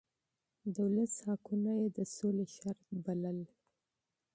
د ولس حقونه يې د امن شرط بلل.